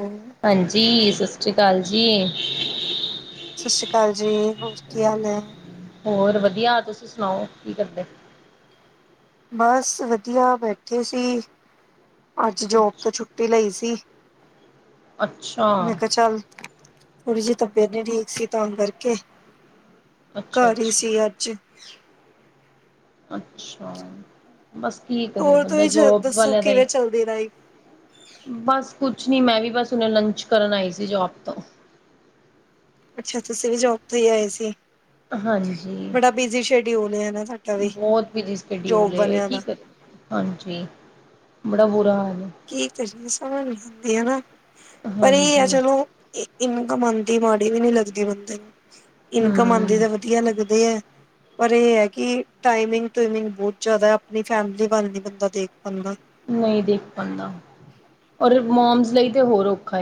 ਹੰਮ ਹਾਂਜੀ ਸਤਿ ਸ਼੍ਰੀ ਅਕਾਲ ਜੀ। ਸਤਿ ਸ਼੍ਰੀ ਅਕਾਲ ਜੀ ਹੋਰ ਕੀ ਹਾਲ ਹੈ? ਹੋਰ ਵਧੀਆ ਤੁਸੀਂ ਸੁਣਾਓ ਕੀ ਕਰਦੇ? ਬਸ ਵਧੀਆ ਬੈਠੇ ਸੀ ਅੱਜ ਜੋਬ ਤੋਂ ਛੁੱਟੀ ਛੁੱਟੀ ਲਈ ਸੀ ਅੱਛਾ ਮੈਂ ਕਿਹਾ ਚੱਲ ਥੋੜ੍ਹੀ ਜਿਹੀ ਤਬੀਅਤ ਨਹੀਂ ਠੀਕ ਸੀ ਤਾਂ ਕਰਕੇ ਅੱਛਾ ਘਰ ਹੀ ਅੱਛਾ ਸੀ ਅੱਜ ਅੱਛਾ। ਬਸ ਕੀ ਕਰੇ ਹੋਰ ਬੰਦਾ ਤੁਸੀਂ ਜੋਬ ਦੱਸੋ ਵਾਲਿਆਂ ਦਾ ਹੀ ਕਿਵੇਂ ਚੱਲਦੀ ਲਾਈਫ ਬਸ ਕੁਛ ਨੀ ਮੈਂ ਵੀ ਬਸ ਉਹਨੇ ਲੰਚ ਕਰਨ ਆਈ ਸੀ ਜੋਬ ਤੋਂ ਅੱਛਾ ਤੁਸੀਂ ਵੀ ਜੋਬ ਤੇ ਹੀ ਆਏ ਸੀ ਹਾਂਜੀ ਬੜਾ ਬਿਜੀ ਸ਼ਡਿਊਲ ਹੈ ਨਾ ਸਾਡਾ ਵੀ ਬਹੁਤ ਬਿਜੀ ਸ਼ਡਿਊਲ ਜੋਬ ਹੈ ਵਾਲਿਆਂ ਕੀ ਦਾ ਕਰ ਹਾਂਜੀ ਬੜਾ ਬੁਰਾ ਹਾਲ ਕੀ ਸਮਝ ਨਹੀਂ ਸਕਦੇ ਹੈਨਾ ਪਰ ਇਹ ਹਾਂਜੀ ਆ ਚਲੋ ਇਨਕਮ ਆਉਂਦੀ ਮਾੜੀ ਵੀ ਨੀ ਲੱਗਦੀ ਬੰਦੇ ਨੂੰ ਇਨਕਮ ਆਉਂਦੀ ਹਮ ਤਾਂ ਵਧੀਆ ਲੱਗਦੇ ਹੈ ਪਰ ਇਹ ਹੈ ਕਿ ਟਾਈਮਿੰਗ ਟਮਿੰਗ ਬਹੁਤ ਜਿਆਦਾ ਆਪਣੀ ਫੈਮਲੀ ਵੱਲ ਨ ਬੰਦਾ ਦੇਖ ਪਾਉਂਦਾ ਨਹੀਂ ਦੇਖ ਪਾਉਂਦਾ ਔਰ ਮੋਮਸ ਲਈ ਤੇ ਹੋਰ ਔਖਾ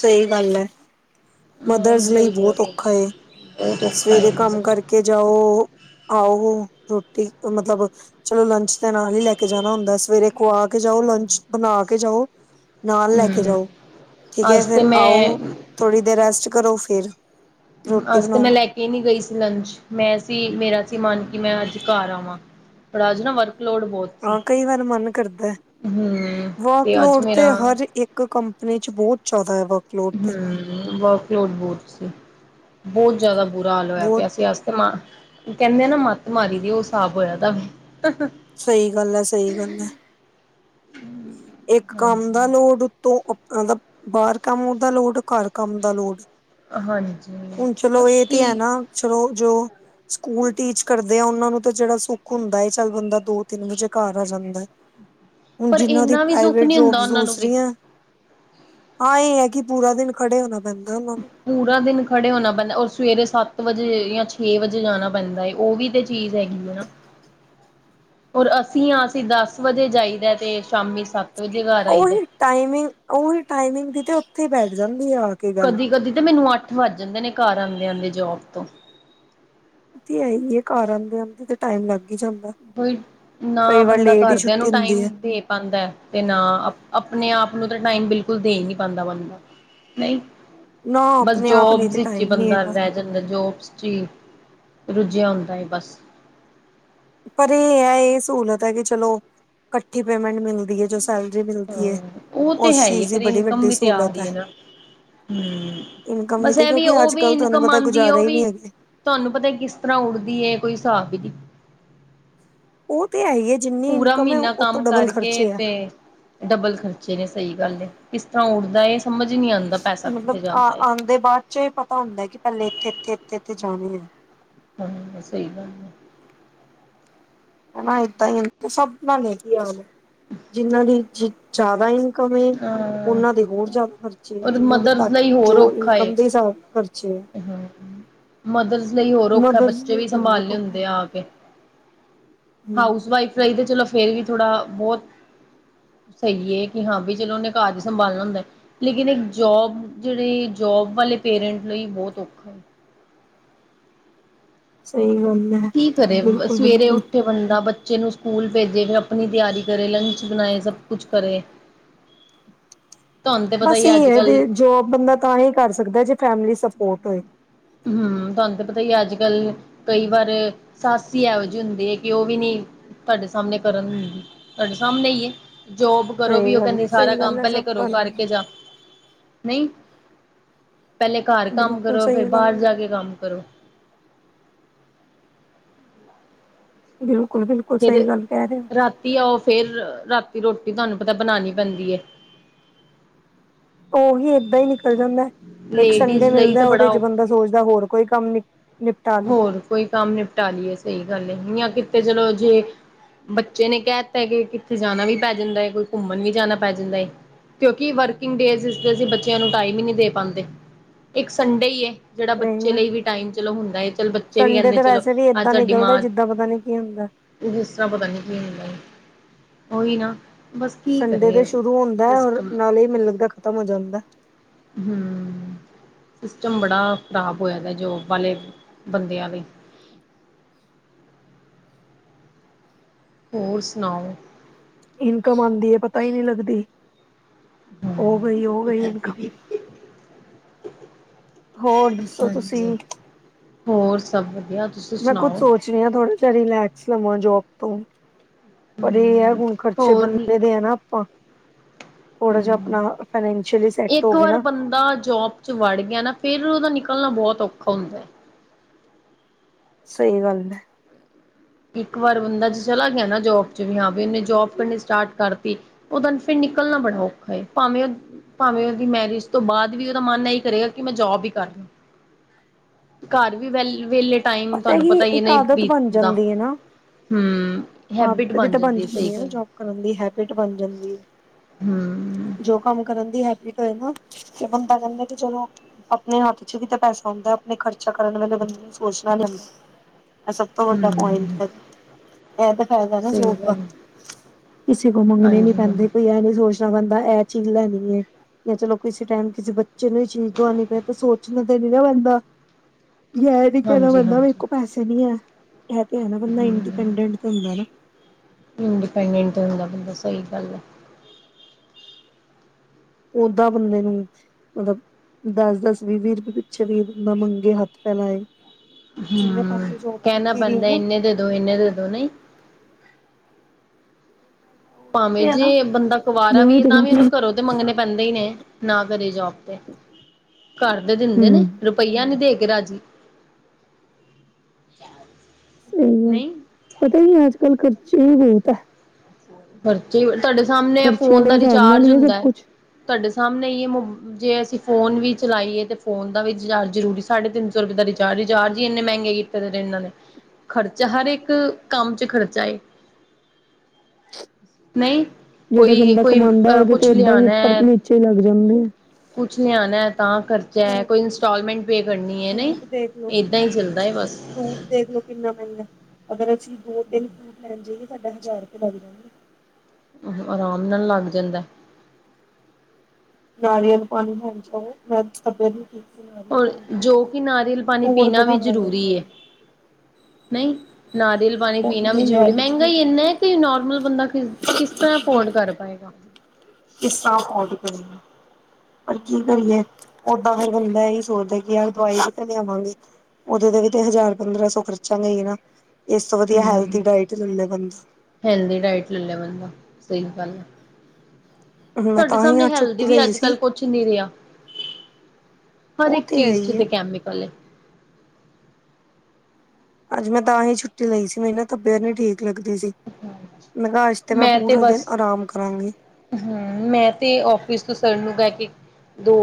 ਸਹੀ ਗੱਲ ਹੈ। ਮਦਰਸ ਮੋਮਸ ਲਈ ਬਹੁਤ ਔਖਾ ਬਹੁਤ ਔਖਾ ਏ ਸਵੇਰੇ ਕੰਮ ਮਤਲਬ ਕਰਕੇ ਜਾਓ ਆਓ ਰੋਟੀ ਮਤਲਬ ਚਲੋ ਲੰਚ ਦੇ ਨਾਲ ਹੀ ਲੈ ਕੇ ਜਾਣਾ ਹੁੰਦਾ ਸਵੇਰੇ ਖਵਾ ਕੇ ਜਾਓ ਲੰਚ ਬਣਾ ਕੇ ਜਾਓ ਨਾਲ ਲੈ ਕੇ ਹੂੰ, ਜਾਓ ਠੀਕ ਹੈ ਅੱਜ ਤੇ ਫੇਿਰ ਮੈਂ ਆਓ ਥੋੜ੍ਹੀ ਦੇਰ ਰੈਸਟ ਕਰੋ ਫਿਰ ਰੋਟੀ ਅਸ ਤੇ ਮੈਂ ਬਣਾਓ ਲੈ ਕੇ ਨਹੀਂ ਗਈ ਸੀ ਲੰਚ ਮੈਂ ਸੀ ਮੇਰਾ ਸੀ ਮਨ ਕੀ ਮੈਂ ਅੱਜ ਘਰ ਆਵਾਂ ਪੜਾ ਜ ਨਾ ਵਰਕਲੋਡ ਬਹੁਤ ਸੀ, ਹਾਂ ਕਈ ਵਾਰ ਮਨ ਕਰਦਾ ਹੂੰ ਅੱਜ ਵਾਕਲੋਡ ਤੇ ਮੇਰਾ ਹਰ ਇੱਕ ਕੰਪਨੀ ਚ ਬਹੁਤ ਜ਼ਿਆਦਾ ਹੈ ਵਕ ਹਮ ਵਰਕਲੋਟ ਬਹੁਤ ਸੀ ਬਹੁਤ ਜ਼ਿਆਦਾ ਬੁਰਾ ਹਾਲ ਹੋਇਆ ਬਹੁਤ ਪਿਆ ਅਸੀ ਤੇ ਮ ਕਹਿੰਦੇ ਨਾ ਮੱਤ ਮਾਰੀ ਦੀ ਉਹ ਹਿਸਾਬ ਹੋਇਆ ਤ ਸਹੀ ਗੱਲ ਹੈ ਸਹੀ ਗੱਲ ਹੈ। ਹੰਮ ਇੱਕ ਕੰਮ ਦਾ ਲੋਡ ਉਤੋਂ ਆਪ ਦਾ ਬਾਹਰ ਕੰਮ ਦਾ ਲੋਡ ਘਰ ਕੰਮ ਦਾ ਲੋਡ ਹਾਂਜੀ ਬਸ ਠੀਕ। ਛੋ ਜੋ ਸਕੂਲ ਟੀਚ ਕਰਦੇ ਆ ਉਹਨਾਂ ਨੂੰ ਤਾਂ ਜਿਹੜਾ ਸੁੱਖ ਹੁੰਦਾ ਹੈ ਚੱਲ ਬੰਦਾ ਦੋ ਤਿੰਨ ਵਜੇ ਘਰ ਆ ਜਾਂਦਾ ਹੁਣ ਪਰ ਜਿਹਨਾਂ ਦੀ ਇੰਨਾ ਵੀ ਸੁੱਖ ਪ੍ਰਾਈਵੇਟ ਨੀ ਹੁੰਦਾ ਜੋਬਸ ਉਹਨਾਂ ਨੂੰ ਵੀ। ਦੂਸਰੀਆਂ ਹਾਂ ਇਹ ਹੈ ਕਿ ਪੂਰਾ ਦਿਨ ਖੜੇ ਹੋਣਾ ਬੰਦਾ ਨੂੰ ਪੂਰਾ ਦਿਨ ਖੜੇ ਹੋਣਾ ਪੈਂਦਾ ਔਰ ਸਵੇਰੇ ਸੱਤ ਵਜੇ ਜਾਂ ਛੇ ਵਜੇ ਜਾਣਾ ਪੈਂਦਾ ਏ ਉਹ ਵੀ ਤੇ ਚੀਜ਼ ਹੈਗੀ ਹੈ ਨਾ [inaudible] ਹੋਰ ਅਸੀਂ ਹ ਅਸੀਂ ਦਸ ਵਜੇ ਜਾਈਦਾ ਤੇ ਸ਼ਾਮੀ ਸੱਤ ਵਜੇ ਘਰ ਆਈਦਾ ਉਹੀ ਟਾਈਮਿੰਗ, ਉਹੀ ਟਾਈਮਿੰਗ ਦੀ ਤੇ ਉੱਥੇ ਹੀ ਬੈਠ ਜਾਂਦੀ ਆ। ਕੇ ਗੱਲ ਕਦੀ -ਕਦੀ ਤਾਂ ਮੈਨੂੰ ਅੱਠ ਵੱਜ ਜਾਂਦੇ ਨੇ ਘਰ ਆਉਂਦੇ- ਆਉਂਦੇ ਜੋਬ ਤੋਂ ਹੈ ਹੀ ਆ ਘਰਉਂਦੇ ਤੇ [unintelligible] ਟਾਈਮ ਲੱਗ ਹੀ ਜਾਂਦਾ, ਕੋਈ ਕਈ ਵਾਰ ਲੇਟ ਹੀ ਛੁੱਟੀ ਹੁੰਦੀ ਹੈ। ਪਾਉਦਾ ਤੇ ਨਾ ਆਪਣੇ ਆਪ ਨੂੰ ਤਾਂ ਟਾਈਮ ਬਿਲਕੁਲ ਦੇ ਹੀ ਨਹੀਂ ਪਾਉਂਦਾ ਬਨਦਾ ਨਹੀਂ, ਨਾ ਬਸ ਆਪਣੇ ਆਪ ਲਈ ਜੋਬਸ ਤੇ ਵਿੱਚ ਹੀ ਟਾਈਮ ਨਹੀਂ ਬੰਦਾ ਹੈਗਾ ਰਹਿ ਜੋਬਸ ਚ ਹੀ ਰੁਝਿਆ ਹੁੰਦਾ ਹੈ ਬਸ ਪਰ ਇਹ ਹੈ, ਇਹ ਸਹੂਲਤ ਹੈ ਕਿ ਚਲੋ ਇਕੱਠੀ ਪੇਮੈਂਟ ਮਿਲਦੀ ਹੈ ਜੀ। ਸੈਲਰੀ ਮਿਲਦੀ ਹੈ, ਹਾਂ ਉਹ ਤੇ ਉਸ ਹੈ ਹੀ ਚੀਜ਼ ਦੀ ਫਿਰ ਬੜੀ ਇਨਕਮ ਵੱਡੀ ਵੀ ਤੇ ਆ ਸਹੂਲਤ ਹੈ। ਰਹੀ ਨਾ। ਹੂੰ, ਇਨਕਮ ਵੀ ਬਸ ਤੇ ਇਹ ਕਿਉਂਕਿ ਉਹ ਅੱਜ ਵੀ ਕੱਲ੍ਹ ਤੁਹਾਨੂੰ ਇਨਕਮ ਪਤਾ ਆਂਦੀ ਗੁਜ਼ਾਰਾ ਉਹ ਹੀ ਨਹੀਂ ਵੀ ਹੈਗਾ। ਤੁਹਾਨੂੰ ਪਤਾ ਕਿਸ ਤਰ੍ਹਾਂ ਉੱਡਦੀ ਏ ਕੋਈ ਹਿਸਾਬ ਵੀ ਉਹ ਤੇ ਹੈ ਹੀ। ਜਿੰਨੀ ਪੂਰਾ ਇਨਕਮ ਹੈ ਮਹੀਨਾ ਉਹ ਤੋਂ ਕੰਮ ਡਬਲ ਕਰਕੇ ਖਰਚੇ ਹੈ ਤੇ। ਡਬਲ ਖਰਚੇ ਨੇ ਸਹੀ ਗੱਲ ਹੈ, ਕਿਸ ਤਰ੍ਹਾਂ ਉੱਡਦਾ ਹੈ ਸਮਝ ਨਹੀਂ ਆਉਂਦਾ ਪੈਸਾ ਕਿੱਥੇ ਜਾਂਦਾ ਹੈ। ਦੇ ਬਾਅਦ ਚ। ਪਤਾ ਹੁੰਦਾ ਕਿ ਪਹਿਲੇ ਇੱਥੇ- ਇੱਥੇ -ਇੱਥੇ- ਇੱਥੇ ਜਾਣੇ ਆ ਹੂੰ, ਸਹੀ ਗੱਲ ਆ ਹਨਾ ਏਦਾਂ ਹੀ ਸਭ ਨਾਲ ਨੇ ਕੀ ਆ ਜਿਨਾਂ ਦੀ ਜ਼ਿਆਦਾ ਹੀ। ਕਮੀ, ਹਾਂ ਉਹਨਾਂ ਦੇ ਹੋਰ ਜ਼ਿਆਦਾ ਖਰਚੇ ਹੈ, ਔਰ ਜਿਹਨਾਂ ਦੇ ਮਦਰਸ ਘੱਟ ਲਈ ਹੋਰ ਜੋ ਔਖਾ ਏ। ਇਨਕਮ ਦੇ ਹਿਸਾਬ ਨਾਲ ਖਰਚੇ ਹੈ। ਮਦਰਸ ਲਈ ਹੋਰ ਔਖਾ ਮਦਰਸ ਬੱਚੇ ਲਈ ਵੀ ਤੇ ਬਹੁਤ ਸੰਭਾਲਣੇ ਔਖਾ ਹੈ ਹੁੰਦੇ ਆ ਕੇ। ਹਾਊਸ ਹਮ ਵਾਈਫ ਰਾਹੀਂ ਤੇ ਚਲੋ ਫੇਰ ਵੀ ਥੋੜਾ ਬਹੁਤ- ਸਹੀ ਹੈ ਕਿ ਹਾਂ ਵੀ ਚਲੋ ਉਹਨੇ ਘਰ ਹੀ ਸੰਭਾਲਣਾ ਹੁੰਦਾ। ਲੇਕਿਨ ਇੱਕ ਜੋਬ ਜਿਹੜੇ ਜੋਬ ਵਾਲੇ ਪੇਰੈਂਟ ਲਈ ਬਹੁਤ ਔਖਾ ਸਹੀ ਗੱਲ ਐ ਕੀ ਕਰੇ ਸਵੇਰੇ ਉੱਠੇ ਬੰਦਾ ਬੱਚੇ ਨੂੰ ਸਕੂਲ ਭੇਜੇ, ਫਿਰ ਆਪਣੀ ਤਿਆਰੀ ਕਰੇ, ਲੰਚ ਬਣਾਏ ਸਭ ਕੁਛ ਕਰੇ। [inaudible] [inaudible] ਤੁਹਾਨੂੰ ਤੇ ਪਤਾ ਬਸ ਹੀ ਇਹੀ ਅੱਜ ਕੱਲ ਹੈ ਜੋਬ ਬੰਦਾ ਤਾਂ ਹੀ ਕਰ ਸਕਦਾ ਜੇ ਫੈਮਲੀ ਸਪੋਰਟ ਹੋਏ। ਹਮ ਤੁਹਾਨੂੰ ਤਾਂ ਪਤਾ ਹੀ ਅੱਜ ਕੱਲ ਕਈ ਵਾਰ ਸਸ ਇਹੋ ਜਿਹੀ ਹੁੰਦੀ ਹੈ ਕਿ ਉਹ ਵੀ ਨਹੀਂ। ਤੁਹਾਡੇ ਸਾਹਮਣੇ ਕਰਨ ਤੁਹਾਡੇ ਸਾਹਮਣੇ ਹੀ ਹੈ ਜੋਬ। ਕਰੋ ਸਹੀ ਵੀ ਉਹ ਗੱਲ ਕਹਿੰਦੇ ਹੈ ਸਾਰਾ ਸਹੀ ਕੰਮ ਗੱਲ ਹੈ ਪਹਿਲੇ ਸਭ ਘਰੋਂ ਗੱਲ ਹੈ, ਕਰਕੇ ਜਾ, ਨਹੀਂ ਪਹਿਲੇ ਘਰ ਕੰਮ ਬਿਲਕੁਲ ਕਰੋ, ਫੇਰ ਸਹੀ ਬਾਹਰ ਗੱਲ ਜਾ ਹੈ ਕੇ ਕੰਮ ਕਰੋ। ਬਿਲਕੁਲ -ਬਿਲਕੁਲ, ਫੇਰ ਸਹੀ ਗੱਲ ਕਹਿ ਰਹੇ ਰਾਤੀ ਆਓ ਫੇਰ, ਰਾਤੀ ਰੋਟੀ ਤੁਹਾਨੂੰ ਪਤਾ ਬਣਾਉਣੀ ਪੈਂਦੀ ਹੈ। ਉਹੀ ਏਦਾਂ ਹੀ ਨਿਕਲ ਜਾਂਦਾ, ਇੱਕ ਲੇਡੀਜ਼ ਸੰਡੇ ਲਈ ਤੇ ਮਿਲਦਾ ਉਹਦੇ ਬੜਾ ਚ ਬੰਦਾ ਸੋਚਦਾ ਹੋਰ ਕੋਈ ਕੰਮ ਨਹੀਂ ਹੋਰ ਕੋਈ ਕੰਮ ਨਿਪਟਾ ਲਈਏ ਸਹੀ ਗੱਲ ਹੈ ਜਾਂ ਕਿਤੇ ਚਲੋ ਜੇ। ਬੱਚੇ ਨੇ ਕਹਿ ਦਿੱਤਾ ਕਿ ਕਿੱਥੇ ਜਾਣਾ ਵੀ ਪੈ ਜਾਂਦਾ ਹੈ ਕੋਈ ਘੁੰਮਣ ਵੀ ਜਾਣਾ ਪੈ ਜਾਂਦਾ ਹੈ। ਕਿਉਂਕਿ ਵਰਕਿੰਗ ਡੇਜ਼ ਚ ਅਸੀਂ ਬੱਚਿਆਂ ਨੂੰ ਟਾਈਮ ਹੀ ਨਹੀਂ ਦੇ ਪਾਉਂਦੇ ਇੱਕ ਸੰਡੇ ਹੀ। ਜਿਹੜਾ ਸਹੀ ਬੱਚੇ ਗੱਲ ਲਈ ਵੀ ਟਾਈਮ ਚਲੋ ਹੁੰਦਾ ਹੈ ਚੱਲ ਸੰਡੇ ਤੇ ਵੈਸੇ ਵੀ ਏਦਾਂ ਨਿਕਲਦਾ ਜਿੱਦਾਂ ਪਤਾ ਨੀ ਕੀ ਹੁੰਦਾ। ਇਸ ਤਰ੍ਹਾਂ ਪਤਾ ਨੀ ਕੀ ਹੁੰਦਾ, ਓਹੀ ਨਾ। ਬਸ ਕੀ ਸੰਡੇ ਦੇ ਕਰੇ ਸ਼ੁਰੂ ਹੁੰਦਾ ਬਸ ਔਰ ਨਾਲ ਹੀ ਮੈਨੂੰ ਲੱਗਦਾ ਖ਼ਤਮ ਹੋ ਜਾਂਦਾ। ਹਮ ਸਿਸਟਮ ਬੜਾ ਖਰਾਬ ਹੋ ਜਾਦਾ ਜੋਬ ਵਾਲੇ ਬੰਦਿਆਂ ਲਈ। ਹੋਰ ਸੁਣਾਓ? ਇਨਕਮ ਆਉਂਦੀ ਹੈ ਪਤਾ ਹੀ ਨਹੀਂ ਲੱਗਦੀ। ਹਾਂ, ਹੋ ਗਈ ਹੋ ਗਈ ਇਨਕਮ ਹੋਰ ਦੱਸੋ ਹਾਂਜੀ ਤੁਸੀਂ ਹੋਰ ਸਭ ਵਧੀਆ ਤੁਸੀਂ ਮੈਂ ਕੁੱਝ ਸੁਣਾਓ ਸੋਚ ਰੀਤ ਆਂ ਥੋੜ੍ਹਾ ਜਿਹਾ ਰਿਲੈਕਸ ਲਵਾਂ ਜੋਬ ਤੋਂ ਪਰ ਇਹ ਹੈ ਹੁਣ ਖਰਚੇ ਹੋਰ ਬੰਦੇ ਵੈ ਆ ਨਾ ਆਪਾਂ। ਥੋੜਾ ਜਹਾ ਹਮ ਆਪਣਾ ਫਾਈਨਸ਼ਅਲੀ ਸੈੱਟ ਹੋ ਗੇ ਨਾ ਦਾ ਜੋਬ ਚ ਵੜ ਗਿਆ ਨਾ ਫੇਰ ਉਹਦਾ ਨਿਕਲਣਾ ਬਹੁਤ ਔਖਾ ਹੁੰਦਾ ਐ ਸਹੀ ਗੱਲ ਹੈ। ਇੱਕ ਵਾਰ ਬੰਦਾ ਚ ਚਲਾ ਗਿਆ ਨਾ ਜੋਬ ਚ ਵੀ ਹਾਂ ਵੀ ਉਹਨੇ ਜੋਬ ਕਰਨੀ ਸਟਾਰਟ ਕਰਤੀ। ਉਹਦ ਫਿਰ ਨਿਕਲਣਾ ਬੜਾ ਔਖਾ, ਭਾਵੇਂ ਉਹ ਭਾਵੇਂ ਉਹਦੀ ਮੈਰਿਜ ਤੋਂ ਬਾਅਦ ਵੀ ਉਹਦਾ ਮਨ ਇਹੀ ਕਰੇਗਾ ਕਿ ਮੈਂ ਜੋਬ ਹੀ ਕਰਦਾ। ਘਰ ਵੀ ਵੈਲ ਵੇਹਲੇ ਟਾਈਮ ਤੁਹਾਨੂੰ ਕੀ ਪਤਾ ਹੀ ਇੱਕ ਨਹੀਂ ਆਦਤ ਬਣ ਬੀਤ ਦਾ ਜਾਂਦੀ ਹੈ ਨਾ ਹਮ ਹੈਬਿਟ ਆਦਤ ਵੀ ਬਣ ਤਾਂ ਜਾਂਦੀ ਹੈ ਸਹੀ ਗੱਲ ਜੋਬ ਕਰਨ ਦੀ ਹੈਬਿਟ ਬਣ ਜਾਂਦੀ ਹੈ ਹਮ। ਜੋ ਕੰਮ ਕਰਨ ਦੀ ਹੈਬਿਟ ਹੋਏ ਨਾ ਤੇ ਬੰਦਾ ਕਹਿੰਦਾ ਕਿ ਚਲੋ ਆਪਣੇ ਹੱਥ ਚ ਵੀ ਤਾਂ ਪੈਸਾ ਹੁੰਦਾ ਆਪਣੇ ਖਰਚਾ ਕਰਨ ਵੇਲੇ ਬੰਦੇ ਛ ਜਾਂਦ [unintelligible] ਐਹ ਸਭ ਤੋਂ ਵੱਡਾ ਪੁਆਇੰਟ ਹੂੰ ਹੈ। ਐਹ ਤਾਂ ਫਾਇਦਾ ਐ ਨਾ ਸਹੀ ਜੌਬ ਦਾ ਗੱਲ ਕਿਸੇ ਕੋਲ ਮੰਗਣੇ ਨੀ ਹਾਂਜੀ ਹਾਂਜੀ, ਪੈਂਦੇ ਕੋਈ ਇਹ ਨੀ ਸੋਚ [unintelligible] ਬੰਦਾ ਐਹ ਚੀਜ਼ ਲੈਣੀ ਏ ਜਾਂ [unintelligible] ਚਲੋ ਕਿਸੇ ਟਾਈਮ ਕਿਸੇ ਬੱਚੇ ਨੂੰ ਹੀ ਚੀਜ਼ ਦਵਾਉਣੀ ਪਏ ਤਾਂ ਸੋਚਣਾ ਤਾਂ ਨੀ ਨਾ ਪੈਂਦਾ ਐਹ ਨੀ ਕਹਿਣਾ ਹਾਂਜੀ ਪੈਂਦਾ ਮੇਰੇ ਹਾਂਜੀ ਕੋ ਪੈਸੇ ਨੀ ਹੈ ਐਹ ਤੇ ਹੈ ਨਾ ਬੰਦਾ ਹੂੰ ਇੰਡੀਪੈਂਡਟ ਹੁੰਦਾ ਨਾ ਇੰਡੀਪੈਂਡੈਂਟ ਹੁੰਦਾ ਬੰਦਾ ਸਹੀ ਗੱਲ ਹੈ। ਓਦਾਂ ਬੰਦੇ ਨੂੰ ਮਤਬ ਦਸ ਦਸ ਵੀਹ ਵੀਹ ਰੁਪਏ ਪਿੱਛੇ ਵੀ ਮੰਗੇ ਹੱਥ ਫੈਲਾਏ। ਜਿੰਨੇ ਹਮ ਪਹਿਲੇ ਜੋਬ ਕਹਿਣਾ ਕੀਤੀ ਦੀ ਹੈ ਪੈਂਦਾ ਨਾ ਇਹਨੇ ਦੇ ਦੋ ਇਹਨੇ ਦੇ ਦੋ ਨਹੀਂ ਭਾਵੇਂ ਜੇ ਬੰਦਾ ਕੁਵਾਰਾ ਮੈਂ ਵੀ ਉਹੀ ਏ ਤੇ ਤਾਂ ਕਹਿ ਵੀ ਰਹੀ ਉਹਨੂੰ ਹਾਂ ਘਰੋਂ ਤੇ ਮੰਗਣੇ ਪੈਂਦੇ ਹੀ ਨੇ ਨਾ ਕਰੇ ਜੋਬ ਤੇ ਘਰ ਦੇ ਦਿੰਦੇ ਨੇ। ਹਮ ਰੁਪਈਆ ਨੀ ਦੇ ਕੇ ਰਾਜੀ ਹਮ [unintelligible] ਨਹੀਂ ਪਤਾ ਕੀ ਅੱਜ ਕੱਲ੍ਹ ਖ਼ਰਚੇ ਵੀ ਬਹੁਤ ਹੈ। ਖ਼ਰਚੇ ਬ ਤੁਹਾਡੇ ਸਾਹਮਣੇ ਖਰਚਿਆਂ ਫੋਨ ਦੇ ਦਾ ਹਿਸਾਬ ਨਾਲ ਰਿਚਾਰਜ ਹੀ ਸਭ ਹੁੰਦਾ ਹੈ ਕੁਛ ਤੁਹਾਡੇ ਸਾਹਮਣੇ ਹੀ ਮੋ ਜੇ ਅਸੀਂ ਫੋਨ ਵੀ ਚਲਾਈਏ ਤਾਂ ਫੋਨ ਦਾ ਵੀ ਰੀਚਾਰਜ਼ ਜ਼ਰੂਰੀ ਸਾਢੇ ਤਿੰਨ ਸੌ ਰੁਪਏ ਦਾ ਰਿਚਾਰਜ ਏ ਚਾਰਜ ਹੀ ਇੰਨੇ ਮਹਿੰਗੇ ਈ ਕਰੇ ਨੇ [unintelligible] ਇਹਨਾਂ ਨੇ ਖਰਚਾ ਹਰ ਇੱਕ ਕੰਮ ਚ ਖਰਚਾ ਏ ਨਹੀਂ ਜਿਹੜਾ ਕੋਈ ਬੰਦਾ ਕੋਈ ਕਮਾਉਂਦਾ ਅ ਉਹਦੇ ਤੇ ਕੁਛ ਏਦਾਂ ਹੀ ਲਿਆਣਾ ਉੱਪਰ ਐ ਨੀਚੇ ਹੀ ਲੱਗ ਜਾਂਦੇ ਆ ਕੁਛ ਲਿਆਣਾ ਏ ਤਾਂ ਕਰਰਚਾ ਹੈ ਫਰੂਟ ਕੋਈ ਇੰ ਟੋਲਮੈਂਟ ਪੇ ਕਰਨੀ ਹੈ ਨਾ ਫਰੂਟ ਇੱਦਾਂ ਹੀ ਚੱਲਦਾ ਐ ਬਸ ਦੇਖਲੋ ਕਿੰਨਾ ਮਹਿੰਗਾ ਐ ਅਗਰ ਅਸੀਂ ਦੋ ਤਿੰਨ ਫਰੂਟ ਲੈਣ ਜਾਈਏ, ਸਾਡਾ ਹਜ਼ਾਰ ਰੁਪਏ ਲੱਗ ਜਾਂਦਾ ਹ ਆਰਾਮ ਨਾਲ ਲੱਗ ਜਾਂਦੈ ਨਾਰੀਅਲ ਪਾਣੀ ਲੈਣ ਜਾਈਏ ਮੈਂਬ ਨੂੰ ਔਰ ਜੋ ਕਿ ਨਾਰੀਅਲ [unintelligible] ਪਾਣੀ ਸੌ ਰੁਪ ਪੀਣਾ ਦਾ ਵੀ ਦੇ ਜ਼ਰੂਰੀ ਹੈ। [unintelligible] ਨਹੀਂ ਨਾਰੀਅਲ ਪਾਣੀ ਪੀਣਾ ਵੀ ਜ਼ਰੂਰੀ ਮਹਿੰਗਾ ਜਿਹੜੀ ਹੀ ਇੰਨਾ ਹੈ ਕਿ ਨੋਰਮਲ ਬੰਦਾ ਖ ਕਿਸ ਤਰ੍ਹਾਂ ਅਫੋਰਡ ਕਰ ਪਾਏਗਾ। ਕਿਸ ਤਰ੍ਹਾਂ ਡਰ ਕਰੀ [unintelligible] ਪਰ ਕੀ ਕਰੀਏ ਓਦਾਂ ਫਿਰ ਬੰਦਾ ਇਹੀ ਸੋਚਦਾ ਕਿ ਆ ਦਵਾਈ ਕਿੱਥੋਂ ਲਿਆਵਾਂਗੇ। ਉਹਦੇ ਤੇ ਵੀ ਤੇ ਹਜ਼ਾਰ ਪੰਦਰਾਂ ਸੋ ਖਰਚਾ ਗੇ ਹੀ ਨਾ ਇਸ ਤੋਂ ਵਧੀਆ ਹੈਲਦੀ ਡਾਇਟ ਲੈ ਲੇ ਬੰ ਹਲਦੀ ਡਾਇਟ ਲੈ ਲੇ ਬੰਦਾ ਸਹੀ ਗੱਲ ਹੈ। ਮੈਂ ਤੁਹਾਡੇ ਤਾਂ ਹੀ ਸਾਹਮਣੇ ਅੱਜ ਹੈਲਦੀ ਛੁੱਟੀ ਵੀ ਲਈ ਅੱਜ ਸੀ ਕੱਲ ਕੁਛ ਨੀ ਰਿਹਾ। ਹਰ ਉਹ ਇੱਕ ਹੈ ਚੀਜ਼ ਚ ਹੀ ਹੈ ਤੇ ਕੈਮੀਕਲ ਏ ਅੱਜ ਮੈਂ ਤਾਂ ਹੀ ਛੁੱਟੀ ਲਈ ਸੀ ਮੇਰੇ ਨਾ ਤਬੀਅਤ ਨਹੀਂ ਠੀਕ ਲੱਗਦੀ ਸੀ। ਮੈਂ ਕਿਹਾ ਅੱਜ ਤੇ ਮੈਂ ਪੂਰਾ ਦਿਨ ਆਰਾਮ ਕਰਾਂਗੀ। ਹਮ ਮੈਂ ਤੇ ਔਫਸ ਤੋਂ ਸਰ ਨੂੰ ਕਹਿ ਕੇ ਦੋ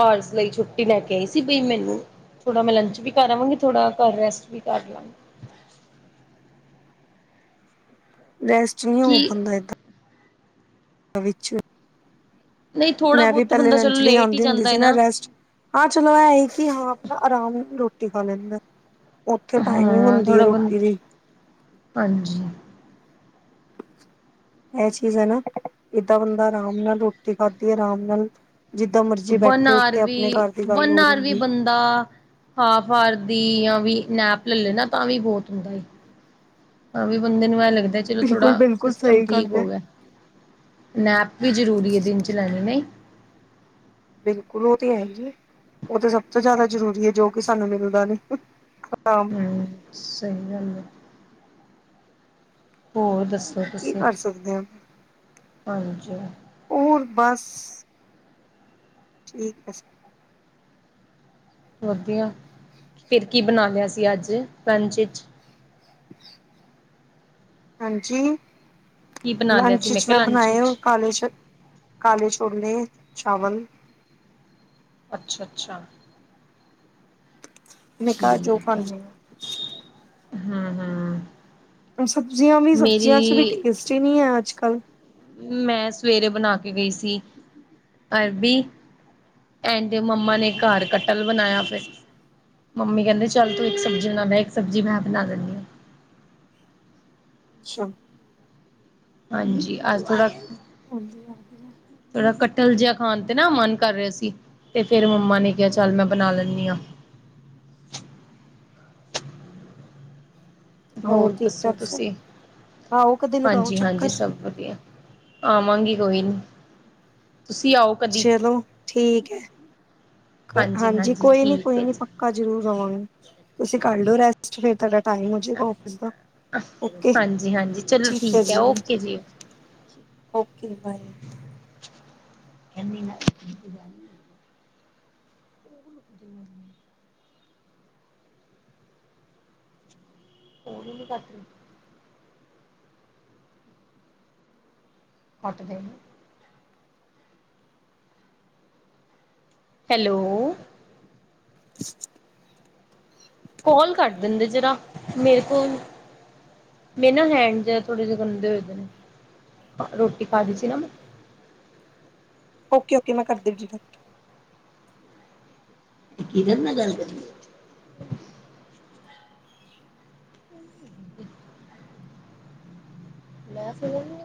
ਆਰਸ ਲਈ ਛੁੱਟੀ ਲੈ ਕੇ ਆਈ ਸੀ ਬਈ ਮੈਨੂੰ ਥੋੜ੍ਹਾ ਮੈਂ ਲੰਚ ਵੀ ਕਰ ਆਵਾਂਗੀ ਥੋੜ੍ਹਾ ਘਰ ਰੈਸਟ ਵੀ ਕਰ ਲਾਂ ਰੈਸਟ ਨਹੀਂ ਹੋ ਕਿ ਪਾਉਦਾ ਏਦਾਂ ਵਿੱਚ ਵਿੱਚ [unintelligible] ਨਹੀਂ ਥੋੜਾ ਮੈਂ ਵੀ ਬਹੁਤ ਤਾਂ ਪਹਿਲੇ ਬੰਦਾ ਚਲੋ ਲੰਚ ਲਈ ਲੇਟ ਹੀ ਆਉਂਦੀ ਹੁੰਦੀ ਜਾਂਦਾ ਹੈ ਸੀ ਨਾ ਰੈਸਟ ਹਾਂ ਚਲੋ ਇਹ ਹੀ ਕਿ ਹਾਂ ਆਪਣਾ ਆਰਾਮ ਰੋਟੀ ਖਾ ਲੈਂਦੇ ਆ। ਉੱਥੇ ਟਾਈਮਿੰਗ ਹੁੰਦੀ ਹੈ ਰੋਟੀ ਦੀ। ਅੱਛਾ। ਐਹ ਚੀਜ਼ ਹੈ ਨਾ ਏਦਾਂ ਬੰਦਾ ਆਰਾਮ ਨਾਲ ਰੋਟੀ ਖਾਧੀ ਆਰਾਮ ਨਾਲ ਜਿੱਦਾਂ ਮਰਜੀ ਵਨ ਬੈਠੇ ਉੱਠੇ ਆਪਣੇ ਘਰ ਦੀ ਗੱਲ ਹੋਰ ਹੁੰਦੀ। ਤਾਂ ਹਾਫ ਆਰ ਦੀ ਆ ਵੀ ਨੈਪ ਲੈ ਲੇ ਨਾ ਤਾਂ ਵੀ ਬਹੁਤ ਹੁੰਦਾ ਹਾਂ ਵੀ ਬੰਦੇ ਨੂੰ ਐ ਲੱਗਦਾ ਚਲੋ ਥੋੜਾ ਬਿਲਕੁਲ ਬਿਲਕੁਲ ਸਿਸਟਮ, ਸਹੀ ਗੱਲ ਠੀਕ ਹੈ ਹੋ ਗਿਆ। ਨੈਪ ਵੀ ਜ਼ਰੂਰੀ ਹੈ, ਦਿਨ ਚ ਲੈਣੀ ਨੇ ਬਿਲਕੁਲ, ਉਹ ਤੇ ਹੈ ਹੀ ਹੈ। ਉਹ ਤੇ ਸਭ ਤੋਂ ਜ਼ਿਆਦਾ ਜ਼ਰੂਰੀ ਹੈ, ਜੋ ਕਿ ਸਾਨੂੰ ਮਿਲਦਾ ਨੀ ਹ ਸਹੀ ਗੱਲ ਏ। ਹੋਰ ਦੱਸੋ, ਕੀ ਤੁਸੀਂ, ਕਰ ਸਕਦੇ ਹਾਂ ਹਾਂਜੀ। ਉਹ ਹੁਣ ਬਸ। ਠੀਕ ਹੈ, ਵਧੀਆ, ਫਿਰ ਕੀ ਬਣਾ ਲਿਆ ਸੀ ਅੱਜ ਲੰਚ ਵਿੱਚ? ਹਾਂਜੀ, ਕੀ ਬਣਾ ਲਿਆ ਸੀ ਲੰਚ ਚ ਕਿਹਾ ਮੈਂ ਲੰਚ ਬਣਾਏ ਵਿੱਚ ਕਾਲੇ ਛੋਲੇ। ਕਾਲੇ ਛੋਲੇ ਚਾਵਲ। ਅੱਛਾ, ਅੱਛਾ। ਮੈਂ ਕਿਹਾ ਜੋ ਠੀਕ ਹੈ, ਖਾਂਦੇ ਆ ਹਾਂ ਹਾਂ। ਸਬਜ਼ੀਆਂ ਵੀ ਸਬਜ਼ੀਆਂ ਚ ਵੀ ਟੇਸਟ ਹੀ ਨਹੀਂ ਹੈ, ਅੱਜ ਕੱਲ੍ਹ। ਮੈਂ ਸਵੇਰੇ ਬਣਾ ਕੇ ਗਈ ਸੀ ਅਰਬੀ। ਐਂਡ ਮੰਮਾ ਨੇ ਘਰ ਕਟਲ ਬਣਾਇਆ ਫਿਰ। ਮੰਮੀ ਕਹਿੰਦੇ ਚੱਲ, ਤੂੰ ਇੱਕ ਸਬਜ਼ੀ ਤੂੰ ਬਣਾ ਲੈ। ਇੱਕ ਸਬਜ਼ੀ ਮੈਂ ਬਣਾ ਲੈਂਦੀ ਹਾਂ ਅੱਛਾ, ਹਾਂਜੀ, ਅਜ ਥੋੜ੍ਹਾ ਹੁੰਦੀਆਂ, ਆਉਦੀਆਂ। ਮੇਰਾ, ਕਟਲ ਜਿਹਾ ਖਾਣ ਤੇ ਨਾ ਮਨ ਕਰ ਰਿਹਾ ਸੀ। ਤੇ ਫੇਰ ਮੰਮਾ ਨੇ ਕਿਹਾ ਚੱਲ, ਮੈਂ ਬਣਾ ਲੈਂਦੀ ਹਾਂ। ਹੋਰ, ਠੀਕ ਦੱਸੋ ਠਾਕ ਸਭ ਤੁਸੀਂ, ਆਓ ਕਦੇ ਲਗਾਓ ਹਾਂਜੀ ਹਾਂਜੀ, ਚੱਕਰ ਸਭ ਵਧੀਆ। ਆਵਾਂਗੀ ਕੋਈ ਨੀ, ਤੁਸੀਂ ਆਓ। ਕਦੀ ਚਲੋ ਠੀਕ ਹੈ। ਹਾਂਜੀ, ਕੋਈ ਨੀ ਠੀਕ ਕੋਈ ਹੈ ਨੀ ਪੱਕਾ। ਜੀ ਪੱਕਾ ਜ਼ਰੂਰ ਆਵਾਂਗੇ ਤੁਸੀਂ ਕਰ ਲਓ ਰੈਸਟ, ਫਿਰ ਤੁਹਾਡਾ। ਟਾਈਮ ਹੋ ਜਾਏਗਾ ਆਫਿਸ ਦਾ, ਓਕੇ ਹਾਂਜੀ ਹਾਂਜੀ ਚਲੋ ਠੀਕ ਹੈ ਜੀ। ਓਕੇ ਜੀ ਓਕੇ, ਬਏ। ਖਨੀ ਨਾਲ [inaudible] ਜ ਹ [inaudible] ਫੋਨ ਹੀ ਨਹੀਂ ਕੱਟ ਰਹੀ। ਕੱਟ ਦੇ। ਹੈਲੋ, ਹ ਕਾਲ ਕੱਟ ਦਿੰਦੇ ਜਰਾ, ਮੇਰੇ ਕੋਲ, ਮੇਰੇ ਨਾ ਹੈਂਡ ਜਿਹੇ ਥੋੜੇ ਜਿਹੇ ਗੰਦੇ ਹੋਏ ਦੇ ਨੇ ਰੋਟੀ ਪਾ ਲਈ ਸੀ ਨਾ ਮੈਂ। ਓਕੇ ਓਕੇ, ਮੈਂ ਕਰਦੀ ਜੀ ਫੋਨ। ਕਿਦੇ ਨਾਲ ਗੱਲ ਕਰਦੀ ਏ? ਮੈਂ ਫੋਨ,